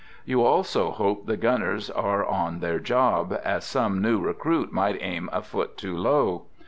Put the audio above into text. You also hope the gunners are on to their job, as some new recruit might aim a foot too low!